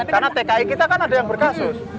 karena tki kita kan ada yang berkasus